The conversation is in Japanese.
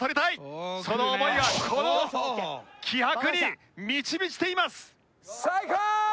その思いがこの気迫に満ち満ちています！